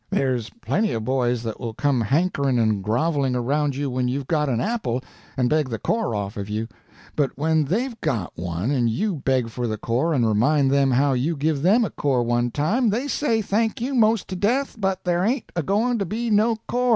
There's plenty of boys that will come hankering and groveling around you when you've got an apple and beg the core off of you; but when they've got one, and you beg for the core and remind them how you give them a core one time, they say thank you 'most to death, but there ain't a going to be no core.